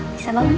bisa bangun ya